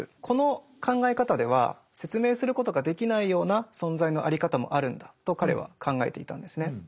この考え方では説明することができないような存在のあり方もあるんだと彼は考えていたんですね。